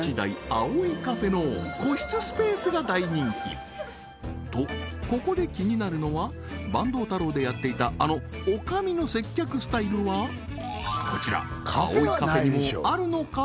葵カフェの個室スペースが大人気とここで気になるのはばんどう太郎でやっていたあの女将の接客スタイルはこちら葵カフェにもあるのか？